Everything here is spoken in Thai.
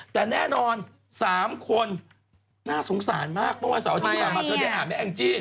แต่แน่นอน๓คนน่าสงสารมากเพราะว่าสาวอาทิตย์ก่อนมาเธอได้อ่านแม่แองจี้